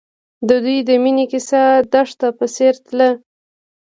د دوی د مینې کیسه د دښته په څېر تلله.